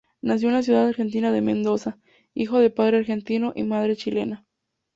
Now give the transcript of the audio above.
Nació en la ciudad argentina de Mendoza, hijo de padre argentino y madre chilena.